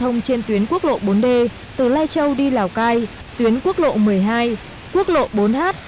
thông trên tuyến quốc lộ bốn d từ lai châu đi lào cai tuyến quốc lộ một mươi hai quốc lộ bốn h